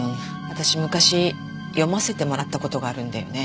私昔読ませてもらった事があるんだよね。